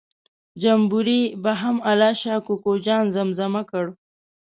جمبوري به هم الله شا کوکو جان زمزمه کړ.